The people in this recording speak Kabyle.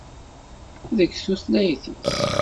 Deg tutlayt-is.